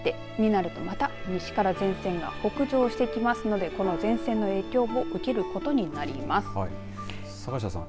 ただ、あさってになるとまた西から前線が北上してきますのでこの前線の影響を受けることになります。